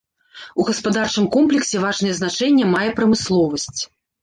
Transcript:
У гаспадарчым комплексе важнае значэнне мае прамысловасць.